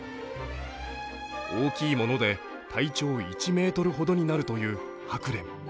大きいもので体長１ｍほどになるというハクレン。